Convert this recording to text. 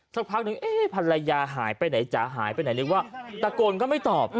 สักพักนึงภรรยาหายไปไหนจ๋าหายไปไหนนึกว่าตะโกนก็ไม่ตอบ